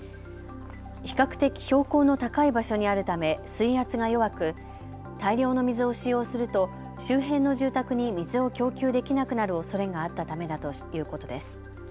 比較的標高の高い場所にあるため水圧が弱く、大量の水を使用すると周辺の住宅に水を供給できなくなるおそれがあったためだということです。